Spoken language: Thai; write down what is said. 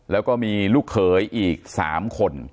แล้วก็มีลูกเขยอีก๓คน